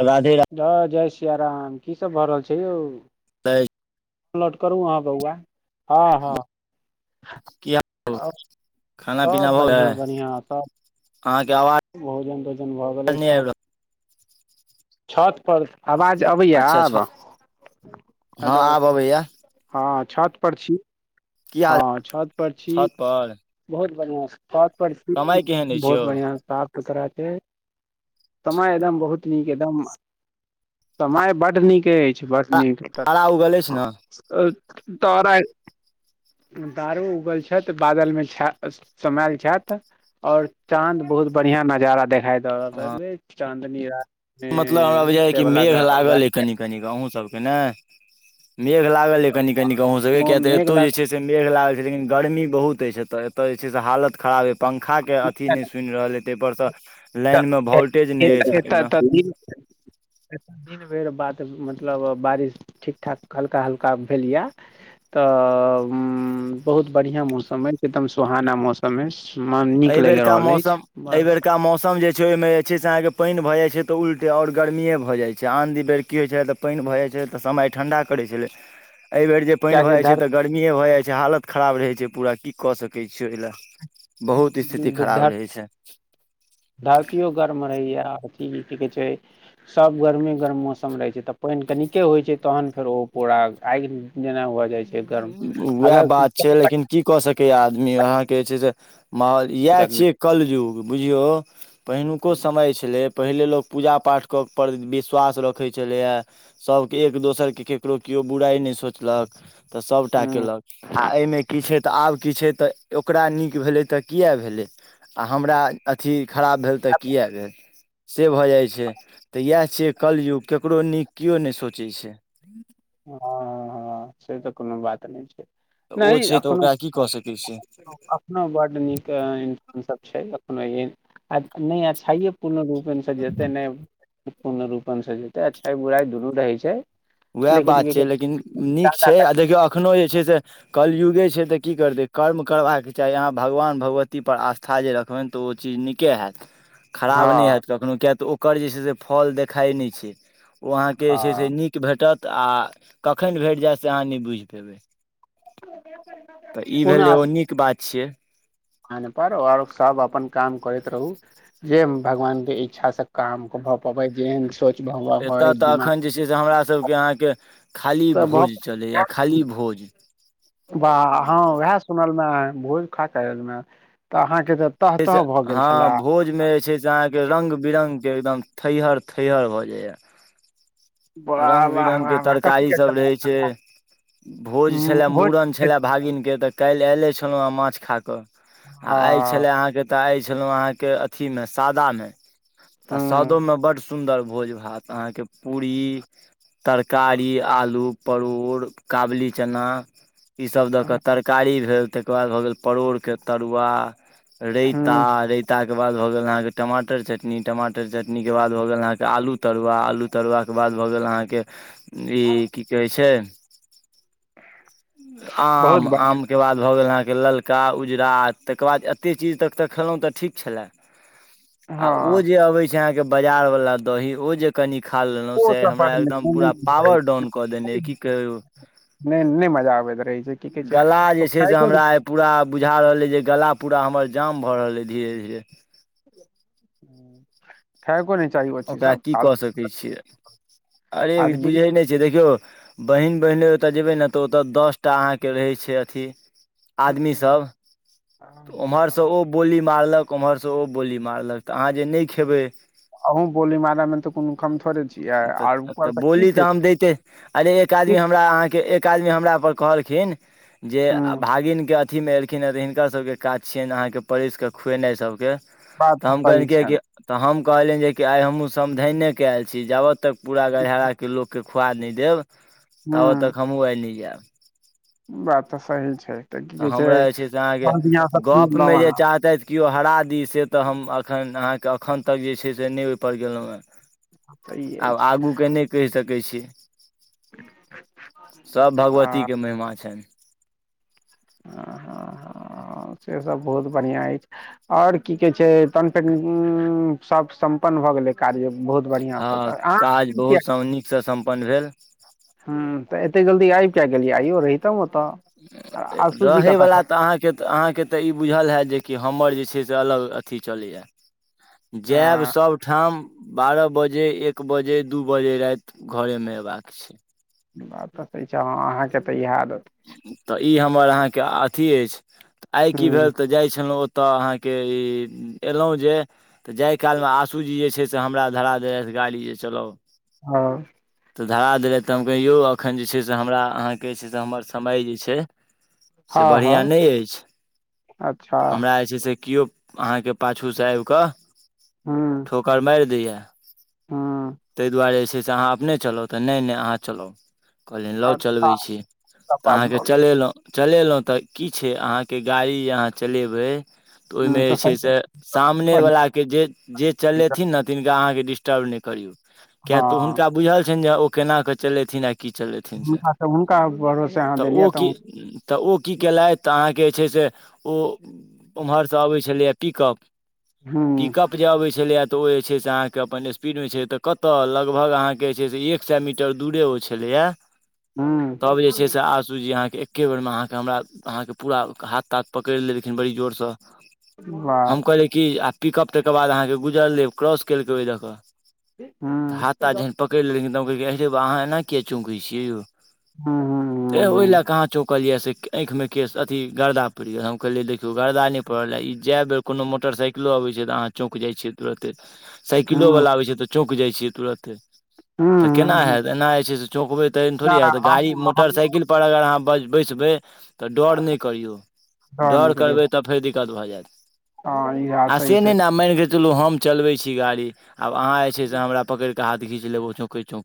राधे जय सियााराम की सब भऽ रहल छै यौ त नलोड करू अहाँ बौआ हँ हँ की अ खाना पीना सभ भऽ बढ़िआँ गेलै बढ़िआँ त अहाँके आवाज भोजन तोजन भऽ गेलै नहि आबि छथ रहल छत पर आवाज अबैए अच्छा छ आब हँ हेलो आब अबैया हँ छत पर छी की हाल हँ छत पर छी छत पर बहुत बढ़ियां पर समय केहन अछि बहुत यौ बढ़ियां साफ सुथरा छै समय एकदम बहुत नीक एकदम समय बड नीक अछि नहि त तारा उगल अछि ने तारा तारो उगल छै त बादल मे छै समेल छेत और चांद बहुत बढ़िया नजारा देखायत हँ त चाँदनी रात मतलब हमरा में बुझाइ से कि वला मेघ लागल अइ कनि कनिक अहूँसभके ने मेघ लागल हे कनी कनी अहूं सब के किया ते मेघ एतो जे लागल छै से मेघ लागल लेकिन गर्मी बहुत अछि ए एतय जे छै से हालत खराब पंखा के अथी नै सुनि रहल एत पर तऽ लाइन में वोल्टेज नहि रह छै एकदम [unintelligible] ए दिन भैर बात मतलब बारिश ठीक ठाक हल्का हल्का भेल यए तऽ बहुत बढ़िआँ मौसम अछि एकदम सुहाना मौसम अछि मन नीक एहि लागि बेेरका रहल मौसम अछि एहि बेेरका मौसम छै ओहि मे जे छै अहाँके पानि भ जा छै तऽ उलटे आर गरमीए भऽ जाय छै आन बेर की होइ छै तऽ पानि भ भऽ जाइ छै तऽ समय ठण्डा करै छलै एहिबेर जे पानि भऽ कियाकि जाइत छै धर तऽ गर्मिए भऽ जाइत छै हालत खराब रहैत छै पूरा की कऽ सकैत छियै ओहि ल बहुत स्थिति धर खराब रहै छै धरतियो गर्म रहैया अथि की कहै छै सब गर्मेी गरम मौसम रहै छै तऽ प पानि कनिके होय छै तहन फेर ओ पूरा आगि जेना हो जाइ छै गर्म उएह अगर बात छै लेकिन की मह इएह छियै कलयुग बुझियौ पहिलुको समय छलै पहिले लोग पूजा पाठ कऽ पर विश्वास रखै छलै ये सब के एक दोसर के केकरो केओ केओ बुराइ नहि सोचलक तऽ सभटा हूँ कयेलक आ एहिमे की छै तऽ आब की छै तऽ ओकरा नीक भेलै तऽ किए भेलै आ हमरा अथि खराब भेल तऽ किए भेल से भऽ जाइत छै तऽ इएह छियै कलियुग ककरो नीक केओ नहि सोचै छै हँ हँ से तऽ कोनो बात नहि छै तऽ ओ नहि छै तऽ ओकरा की कऽ सकै छियै एखनो बड नीक छै कखनो य नहि अच्छाइए पूर्ण रूपेणसँ जेतै नहि पूर्ण रूपणसँ जेतै अच्छाइ बुराइ दुनू रहै छै उएह लेकिन बात की छैिय कहै लेकिन नीक छै आ देखियौ एखनो जे छै से कलयुगे छै तऽ की करतै कर्म करबाक चाही यहाँ भगवान भगवती पर आस्था जे रखबै तऽ ओ चीज नीके हेत खराब नहि हँ हैत कखनहु किएक तऽ ओकर जे छै से फल देखाइ नहि छै ओ अहाँके जे छै से हँ नीक भेटत आ कखन भेट जायत से अहाँ नहि बुझि पयबै तऽ ई पूर्ण भेलै आस ओ नीक बात छियै पर आओर सब अपन काम करैत रहू जे भगवान के इच्छा से काम कर ह प भइ जेन सोच भऽ पबै एतय तऽ दिमाग एखन जे छै से हमरा सभके अहाँके खाली तऽ भऽ भोज चलैए खाली भोज वाह हॅं उएह सुनल मे भोज खा क एल न तऽ अहाँ जे से हँ भोजमे जे छै से अहाँके रङ्ग बिरङंग के एकदम थैहर थैहर भऽ जाइया वाह रंग वाह बिरंग के वाह वाह कथी तरकारी के सब छले रहै छै भोज छले मूड़न भोज छले भागिन के तऽ काल्हि एले छलौ हन माछ खऽ कऽ आइ हँ छलै अहाँक तऽ आइ छलौ अहाँकेँ अथिमे सादा मे तऽ हूँ सादो मे बड सुन्दर भोज भात अहाँके पूरी तरकारी आलू परोड़ काबली चना ईसभ दऽ कऽ तरकारी भेल तेकर बाद भऽ गेल परोड़के तरुआ रयता हूँ रयता ओकर बाद भऽ गेल अहाँ के टमाटर चटनी टमाटर चटनी के बाद भऽ गेल आलु तरूआ आलु तरूआ के बाद भऽ गेल ई कि कहय छै [unintelligible] बहुत आम बढ़िया आम के बाद भऽ गेल अहाँक ललका उजरा तकर बाद एते चीज तक तऽ खेलहुँ तऽ ठीक छलै आ ओ हँ जे अबै छै अहाँके बाजार वला दही ओ जे कनि खा लेलहुँ ओ से सब पर हमरा एकदम पूरा नहि पावर डाउन कऽ देनेइ की कहियौ नहि नहि मजा आबैत रहय गला जे छै से हमरा पूरा बुझा रहल अछि जे गला पूरा हमर जाय भऽ रहल यै धीरे धीरे खयको ओकरा की कऽ सकै छियै अरे आदमी के बुझै नहि छियै देखियौ बहिन बहिनोइ ओतय जयबै ने तऽ ओतय दस टा अहाँके रहै छै अथी आदमी हूँ सब हाँ, उम्हरसँ ओ बोली मारलक ओम्हरसँ ओ बोली मारलक अहाँ जे नहि खेबै अहूँ बोली मारय मे तऽ कोनो कम थोड़े छियै तऽ आर ऊपर तऽ से की बोली तऽ छै हम दैते अरे एक आदमी की हमरा अहाँ के एक आदमी हमरा पर कहलखिन जे हूँ भागिन के अथीमे एलखिन हँ तऽ हिनकर सबके काज छियनि अहाँके परसिकऽ खुएनाइ अहाँ सबके बात तऽ हम सही कह छनि तऽ हम कहलनि जे कि आइ हमहूँ समधनि के आयल छी जाबऽ तक पूरा गड़हाराके लोकके खुआ नहि देब ताबत तक हूँ हमहु आइ नै जाएब बात तऽ सही छै की तऽ कहै हमरा जे छै से अहाँके बढ़ियां सँ गप खुएलौं मे जे अहाँ चाहतै केओ हरा दी से तऽ हम अखन अहाँके अखन तक जे छै से नहि ओहिपर गेलहुँ ह सही आब अछि आगूके नहि कहि सकै छी सब भगवती आ के महिमा छैन आ ह ह हँ से सब बहुत बढ़िया अछि और की कहे छै त पे सब सम भऽ गेलै कार्य बहुत बढ़ियां सँ हँ तऽ अहाँ काज बहुत स नीकसँ सम्पन्न भेल ह तऽ एते जल्दी आइब किया गेलियै आइयो रहितौ ओ रहयवला तऽ अहाँके तऽ अहाँके तऽ ई बुझल है जे कि हमर जे जे छै अलग अथि चलय यै जैब हँ सबठाम बारह बजे एक बजे दू बजे राति घरेमे अयबाक छै बात त सही छै आब अहाँके तऽ इहै तऽ ई हमर अहाँके अथी अछि आइ की हुँ भेल तऽ जाइ छलहुँ ओ ओतऽ अहाँके ई एलहुँ जे तऽ जाहि कालमे आशूजी जे छै से हमरा धरा देने रहथि गाड़ी जे चलाउ हँ तऽ धरा देलथि तऽ हम कहियौ एखन जे छै से हमरा अहाँके जे छै से हमर समय जे छै से हँ बढ़िआँ हँ नहि अछि अच्छा हमरा जे छै से किओ अहाँके पाछूसँ आबि कऽ हुँ ठोकर मारि दैयै हुँ तै दुआरे जे छै से अहाँ अपने चलउ तऽ नहि नहि अहाँ चलउ कहलिन लउ अच्छा चलबैत छी सब तऽ बात अहाँके भऽ गेल चलेलहुँ चलेलहुँ तऽ की छै अहाँके गाड़ी अहाँ चलेबै ओहि मे हुँ जे तऽ छै सही से सामने बढ़िआँ वला के जे जे एकदम चलेथीन न तिनका अहाँके डिस टर्ब नै करीयौ किया त हँ हुनका बुझल छनि जे ओ केना क चलेथीन आ की चलेथीन से हुनका तऽ हुनका भरोसे अहाँ त देलियै ओ कि तऽ त ओ कि केलाय त अहाँके के छै से ओ उम्हरसँ अबै छलैया पिकप हुँ पिकअप जे अबै छलै तऽ ओ जे छै से अहाँके अपन स्पीड मे छै तऽ कतय लगभग अहाँके जे छै से एक सए मीटर दूरे ओ छलैया हुँ तब जे छै से आसू जी अहाँ के एके बेरमे अहाँके हमरा अहाँके पूरा हाथ ताथ पकड़ि लेलेलखिन बड़ी जोरसँ वाह हम कहलिय की आब पिकअप तकर बाद अहाँके गुजरलै क्रॉस केलकै ओहि दऽक तऽ हुँ हाथा जखन पकड़ि लेलखिन तऽ हम कहल के आहिरे बा अहाँ एना किया चलबै छियै यौ हुँ त ओहि हुँ लए कहाँ चौकलिय से आँखिमे केश अथि गर्दा पड़ि गेल हम कहलियै देखियौ गर्दा नहि पड़ल ह ई जाय बेर कोनो मोटरसाइकिलो अबै छै तऽ अह चौक जाइ छियै तुरते हुँ साइकिलो हुँ बला अबै छै त चौक जाइ छियै तूरत्ते त केना हुँ हैत एना जे छै से चौकबै तऽ एहन नहि थोड़े हैत गाड़ी हमहूँ हमहूँ मोरसाइकिलपर अगर अहाँ बस बैसबै तऽ डर नहि करियौ डर करबै तऽ फेर दिक्कत भऽ जायत हँ ई बात आ सही से छै नेय न मरि गेल चलू हम चलबै छी गाड़ी आब अहाँ जेइ छै से हमरा पकड़िक क हाथ घीच लेबौ किछु किछु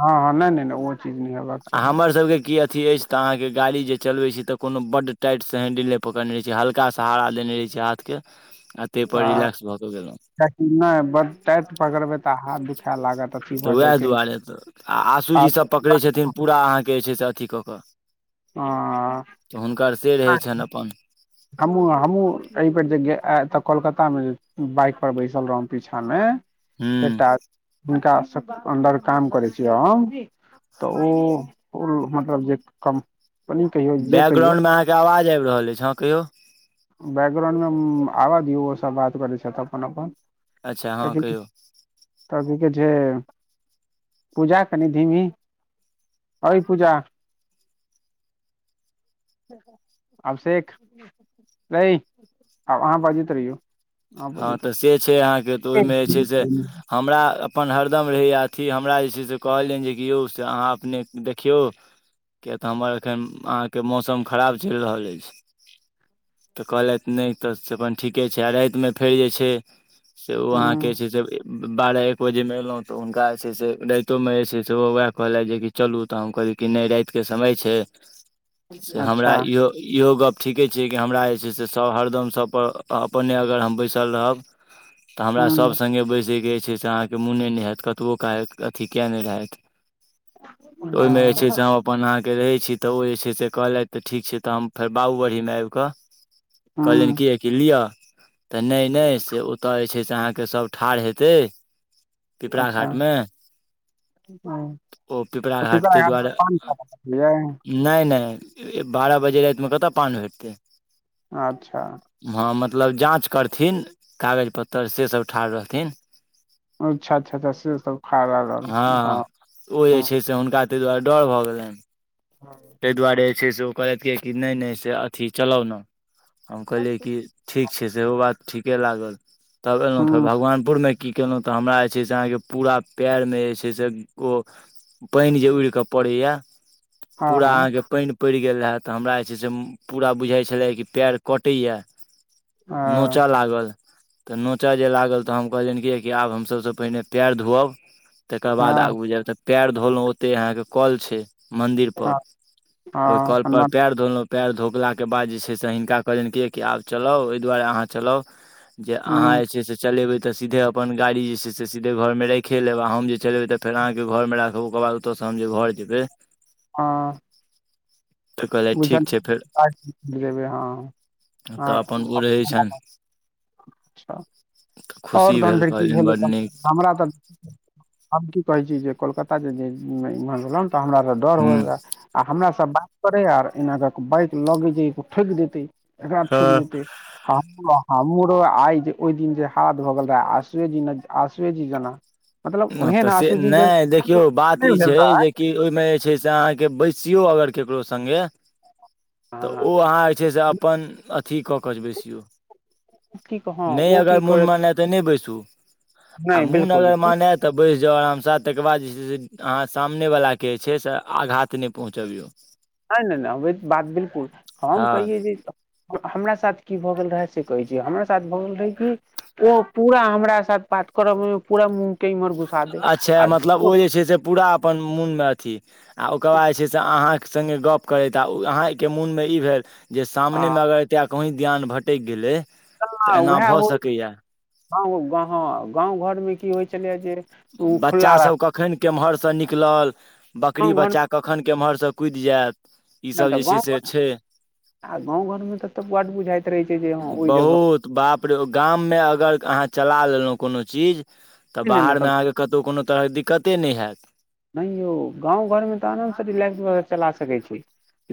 हँ हँ नहि नहि नहि ओ चीज नहि हेबाक आ चाही हमर सबके कीया बेस त अहं के गाड़ी जे चलबेय छै त को बड टाइट से हेंडल नहि पकड़ने रहय छै हल्का सहारा देने रहे छै यादके हँ कि नहि बढ़ टाइट पकड़बै तऽ हाथ दुखेत तऽ उएह दुआरे तऽ आ आशूजीसभ दोसर पकड़ै बात छथिन पूरा अहाँके जे छै से अथिी कऽ कऽ ह तऽ हुनकर से रहै छनि अपन हम्मू हम्मू एहि पर द गेल ए तऽ कोलकाता मे बाइक पर बैसल रहं पीछा मे हूँ एकटा हुनका अंदर काम करै छिय हम तऽ ओ मतलब जे कम्पनी कहियौ जे कहियौ बैकग्राउंडमे अहाँके आवाज आबि रहल अछि हँ कहियौ बैकग्राउण्डमे आबऽ दियौ ओ सब बात करै छथि अपन अपन अच्छा हँ कहियौ जे पूजा कनि धीमी ए पूजा अभिषेक रह आ आहा बजयत रहियो हँ तऽ से छै अहाँके तऽ ओहिमे जे छै से रहियौ हमरा अपन अर एकदम रहै अ हमरा जे से कहलनि जे यौ से अहाँ अपने देखियौ किएक तऽ हमर एखन अहाँके मौसम खराब चलि रहल अछि तऽ कहलथि नहि तऽ से अपन ठीके छै आ रायत में फेर जे छै से ओ अहाँके हूँ जे छै से बारह एक बजेमे एलहुँ तऽ हुनका जे छै से राइतोमे जे छै से ओ ओएह कहला जेक चलू तऽ हम कही कि नहि रात के समय छै से हमरा अच्छा इहो इहो गप ठीके छै कि हमरा जे छै से सभ हरदम सभप अपने अगर हम बैसल रहब तऽ हमरा सभ हूँ संगे बैसयके जे छै से अहाँकेँ मोने नहि हैत कतबो कहत अथि किएक नहि रहत ओहिमे जे छै से हम अपन अहाँ रहै छी तऽ ओ जे छै से कहलथि तऽ ठीक छै तऽ हम फेर बाबूबढ़ीमे आबि कऽ कहलियन हूँ कि लिय तऽ नहि नहि से उता जे छय से आहा के सब ठार हेताई पिपरा अच्छा घाट मे तऽ ओ पिपरा पिपर घाट ते आगाँ दुआरे पान खा रहलियै नहि नहि बारह बजे रातिमे कतय पान भेटतै अच्छा हँ मतलब जाँच करथिन कागज पत्तर से सब ठार रहथिन अच्छा अच्छा सेसभ ठार रहल हँ ओ जे ह्म छै से हुनका ताहि दुआरे डर भऽ गेलैन ताहि दुआरे जे छै से ओ कहथि कि नई नई से अथी चलब ने हम कहलियै कि ठीक छै सेहो बात ठीके लागल तब एलहुँ फेर हँ भगवानपुरमे की कयलहुँ तऽ हमरा जे छै से अहाँके पूरा पएरमे जे छै से ओ पानि जे उड़ के पड़ैया पूरा हँ अहाँके पानि पैड़ गेल रहे तऽ हमरा जे छै से पूरा बुझााय छलै कि पैर कटैया नोचय लागल तऽ नोचय जे लागल तऽ हम कहलियनि कि कि आब हम सभसँ पहिने पएर धोअब तकर बाद हँ आगू जायब तऽ पएर धोलहुं ओतै अहाँके क'ल छै मंदिर पर हँ पर ओहि हँ कोल पर हनुमान पएर धोलहुं पएर धोपलाके बाद जे छै से हिनका कहलनि कि कि आब चलाउ एहि दुआरे अहाँ चलाउ जे अहाँ हँ जे छै से चलेबे तऽ सीधे अपन गाड़ी जे छै से सीधे घरमे राखि लेब आ हम जे चलेबै तऽ फेर अहाँके घर राब ओकर बाद ओतऽसँ तहन जे घर जेबै हँ तऽ कहलथि झ ठीक छै फेर जेबै हँ [unintelligible] तऽ अपन ओ रहै छनि अच्छा तऽ आओर खुशी तहन भेल फेर की कहलियनि भेलै बड नीक हमरा तऽ हम की कहैत छी जे कोलकताता जेहुँ तऽ हमरास डर हो हूँ रहए आ हमरास बात अरे यार एना क बाइक लग जे ठोकि देते एकरा ठोकि हँ देतै हमरो आइ जे ओहि दिन जे हथ भगल रहै आसुए जी जेना आसुए जी जना ओ तऽ से नहि देखियौ बात नहि ई भेल छै रहे जेकि ओहिमे जे छै से अहाँके बैस कियो अगर केकरो संगे तऽ हँ ओ अहाँ जे छै से अपन अथी कऽ कऽ जे बैसियौ की कह हँ नहि ओ अगर की मुन करैत मानय तऽ नहि बैसु आ नहि मुन बिल्कुल अगर सुन मानय तऽ बैस जाउ आरामसँ तकर बाद जे छै से अहाँ सामने वला के जे छै से आघात नहि पहुँचबियौ नहि नहि नहि ओ बात बिलकुल हम हँ कहिै जे हमरा साथ की भऽ गेल रहे से कहे छै हमरा साथ भऽ गेल रहै कि ओ पूरा हमरा साथ बात करऽ मे पूरा मु अच्छा मतलब ओ जे छै से पूरा अपन मुनमे अथी आ ओकर बाद जे छै से अहाँ संगे गप करैत आ अहाँके मोनमे ई भेल जे आ सामने मे अगर एतेक कहीँ ज्ञान भटकि गेलै तऽ एना भऽ सकैया ह गाँंव घर में की होइ छलैय जे ओ खुला बच्चा सब रास्ता कखन केम्हर सँ निकलल बकरी गाँव घरमे बच्चा कखन केम्हरसँ कुदि जायत नहि ईसभ तऽ जे छै गाँव घर से छै आ गाँव घरमे तऽ तऽ बड बुझाइत रहय छै जे हँ ओहि जगह बहुत बाप रे गाममे अगर अहाँ चला लेलहुँ कोनो चीज तऽ पर नहि नहि बाहरमे अहाँकेँ कतहु कोनो तरहके दिक्कते नहि हैत नहि यौ गाँव घरमे तऽ आरामसँ रिलैक्स भ'क' चला सकै छी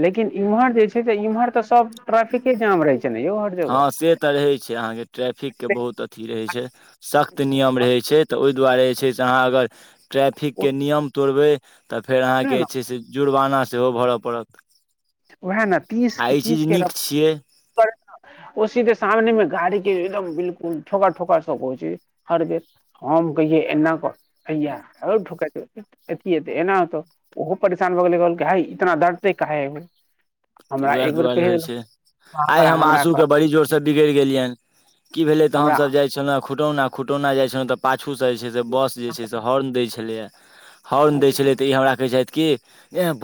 लेकिन इमहर जे छै से इमहर तऽ सब ट्रेफिके जाम रहै छै ने यौ हर जगह हँ से तऽ रहै छै अहाँके ट्रैफिकके बहुत अथी रहै छै सख्त नियम रहैत छै तऽ ओहि ताहि दुआरे जे छै से अहाँ अगर ट्रैफिकके ओतने नियम तोड़बै तऽ फेर अहाँकेँ ने जे छै से जुर्माना सेहो भरऽ पड़त उएह ने तीस आ के ई तीस चीज के र नीक छियै ओसीधे सामनेमे गाड़ी के एकदम बिलकुल ठोका ठोका सब छै हर बेर हम कहियए एना क हैया रौ ठोकेतै एथी हेतै एना होत ओहो परेशान भ' गेलै कहलकै हइ इतना डरते काहे है तऽ उएह दुआरे होइ छै आइ हमरा हम हमरा कर आसूकेँ बड़ी जोरसँ बिगड़ि गेलियनि की भेले तऽ हमरा हमसभ जाइ छलहुं खुटौना खुटौना जाइ छलहुँ तऽ पा छूसँ जे छै से बस जे छै से हॉर्न दय छलैय हॉर्न दय अच्छा छलियै त ई हमरा कहै छथि की ऐंह बहुत